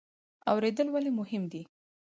اوریدل ولې مهم دي؟